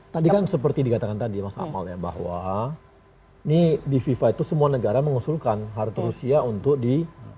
tadi kan seperti dikatakan tadi mas akmal ya bahwa ini di fifa itu semua negara mengusulkan harta rusia untuk di